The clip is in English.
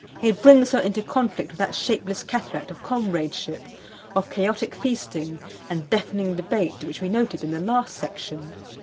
It brings her into conflict with that shapeless cataract of Comradeship, of chaotic feasting and deafening debate, which we noted in the last section.